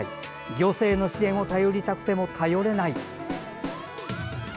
行政の支援を頼りたくても頼れない。